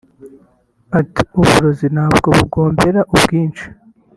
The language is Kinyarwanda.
Ati“Uburozi ntabwo bugombera ubwinshi